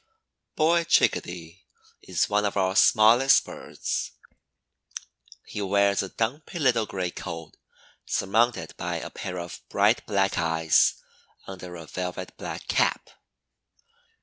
Boy Chickadee is one of our smallest birds. He wears a dumpy little gray coat surmounted by a pair of bright black eyes under a velvety black cap.